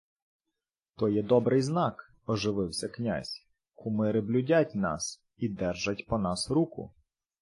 — То є добрий знак, — ожвавився князь. — Кумири блюдять нас і держать по нас руку.